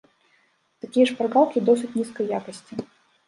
Такія шпаргалкі досыць нізкай якасці.